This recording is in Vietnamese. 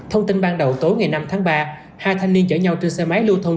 thông tin ban đầu tối ngày năm tháng ba hai thanh niên chở nhau trên xe máy lưu thông